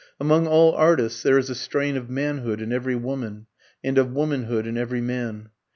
Among all artists there is a strain of manhood in every woman, and of womanhood in every man.